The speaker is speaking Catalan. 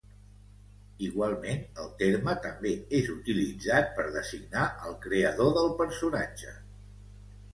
Igualment, el terme també és utilitzat per designar al creador del personatge.